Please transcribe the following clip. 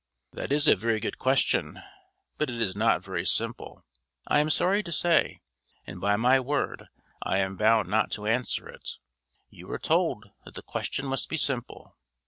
"That is a very good question, but it is not very simple, I am sorry to say; and by my word I am bound not to answer it; you were told that the question must be simple!